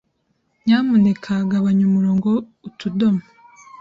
Nyamuneka gabanya umurongo utudomo.